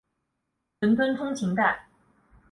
伦敦通勤带。